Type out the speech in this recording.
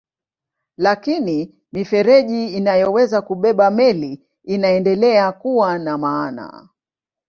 Lakini mifereji inayoweza kubeba meli inaendelea kuwa na maana.